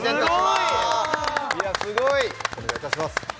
すごい・すごいお願いいたします